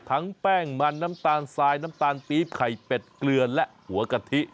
แป้งมันน้ำตาลทรายน้ำตาลปี๊บไข่เป็ดเกลือและหัวกะทิ